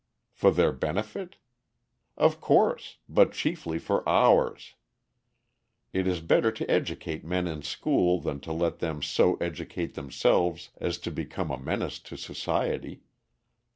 For their benefit? Of course, but chiefly for ours. It is better to educate men in school than to let them so educate themselves as to become a menace to society.